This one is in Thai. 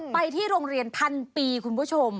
ไปที่โรงเรียนพันปีคุณผู้ชม